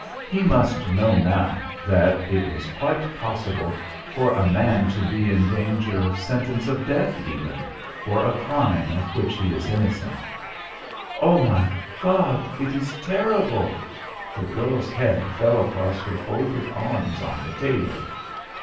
He must know now that it is quite possible for a man to be in danger of sentence of death even, for a crime of which he is innocent." "Oh, my God! It is terrible." The girl's head fell across her folded arms on the table.